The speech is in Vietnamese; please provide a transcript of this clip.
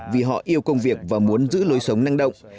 vì họ yêu công việc và muốn giữ lối sống năng động